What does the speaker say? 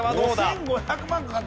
５５００万かかってるの？